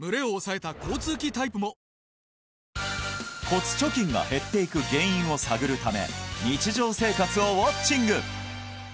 骨貯金が減っていく原因を探るため日常生活をウォッチング！